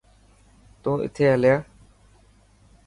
تون اٿي هليا.